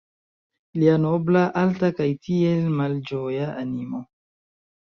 Lia nobla, alta kaj tiel malĝoja animo.